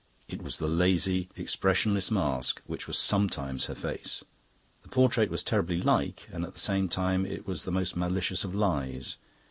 It was the lazy, expressionless mask which was sometimes her face. The portrait was terribly like; and at the same time it was the most malicious of lies.